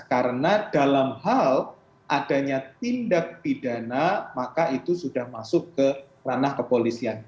karena dalam hal adanya tindak pidana maka itu sudah masuk ke ranah kepolisian